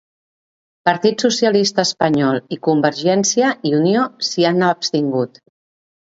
Partit Socialista Espanyol i Convergiència i Unió s'hi han abstingut.